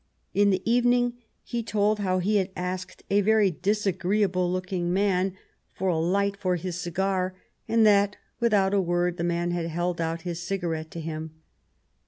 In the evening he told how he had asked a very disagreeable looking man for a 152 The War of 1870 light for his cigar, and that, without a word, the man had held out his cigarette to him.